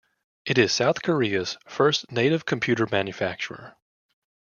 It is South Korea's first native computer manufacturer.